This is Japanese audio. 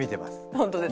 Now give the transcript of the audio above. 本当ですね。